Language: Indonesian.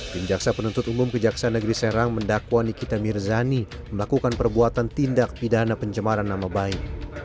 tim jaksa penuntut umum kejaksaan negeri serang mendakwa nikita mirzani melakukan perbuatan tindak pidana pencemaran nama baik